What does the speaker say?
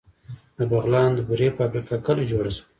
د بغلان د بورې فابریکه کله جوړه شوه؟